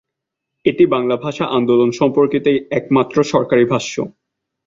এটি বাংলা ভাষা আন্দোলন সম্পর্কিত একমাত্র সরকারি ভাষ্য।